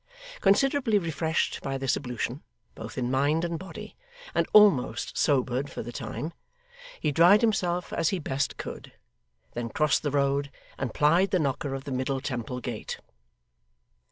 Considerably refreshed by this ablution, both in mind and body, and almost sobered for the time, he dried himself as he best could; then crossed the road, and plied the knocker of the Middle Temple gate.